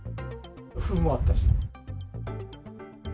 ふんもあったし。